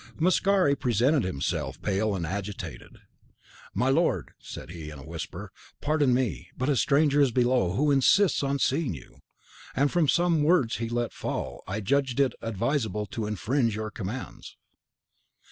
Mascari presented himself, pale and agitated: "My lord," said he, in a whisper, "pardon me; but a stranger is below, who insists on seeing you; and, from some words he let fall, I judged it advisable even to infringe your commands."